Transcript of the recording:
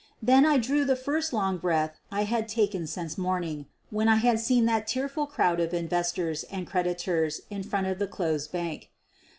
Then I drew the first long breath I had taken since morning, when I had seen that tearful crowd of investors and creditors in front of the closed bank.